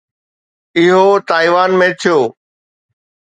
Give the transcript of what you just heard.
اهو تائيوان ۾ ٿيو.